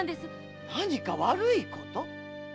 「何か悪いこと」？